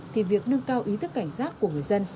thì việc nâng cao ý thức cảnh giác của người dân